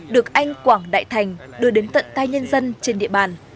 được anh quảng đại thành đưa đến tận tay nhân dân trên địa bàn